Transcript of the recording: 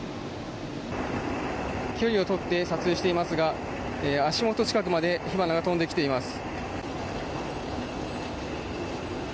距離をとって撮影していますが足元近くまで火花が飛んできています。